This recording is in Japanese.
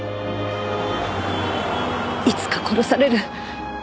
いつか殺される。